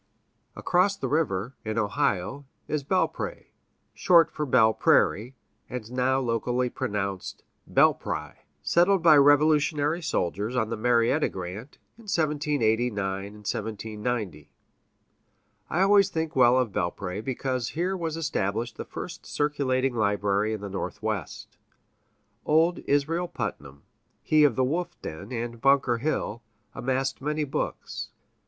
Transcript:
Across the river, in Ohio, is Belpré (short for Belle Prairie, and now locally pronounced Bel'pry), settled by Revolutionary soldiers, on the Marietta grant, in 1789 90. I always think well of Belpré, because here was established the first circulating library in the Northwest. Old Israel Putnam, he of the wolf den and Bunker Hill, amassed many books.